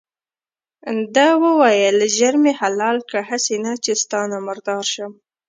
ده وویل ژر مې حلال کړه هسې نه چې ستا نه مردار شم.